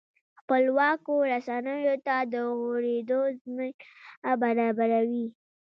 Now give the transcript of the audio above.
خپلواکو رسنیو ته د غوړېدو زمینه برابروي.